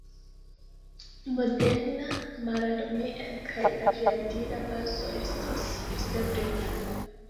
Moderna mararmea kaj aviadila bazo estis establita.